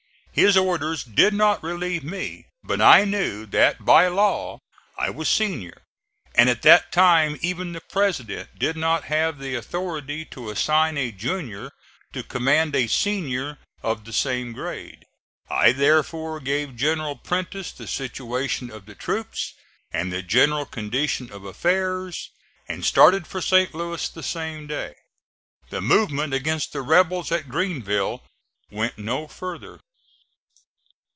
His orders did not relieve me, but I knew that by law I was senior, and at that time even the President did not have the authority to assign a junior to command a senior of the same grade. I therefore gave General Prentiss the situation of the troops and the general condition of affairs, and started for St. Louis the same day. The movement against the rebels at Greenville went no further.